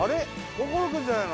心君じゃないの？